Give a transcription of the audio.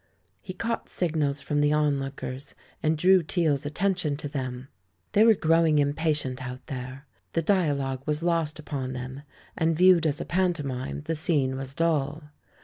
He caught signals from the onlookers, and drew Teale's attention to them. They were growing impatient out there. The dialogue was lost upon them, and viewed as a pantomime the scene was dull.